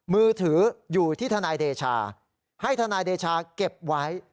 มือถืออยู่ที่ทนายเดชาให้ทนายเดชาเก็บไว้